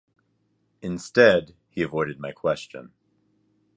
Instead, he avoided my question.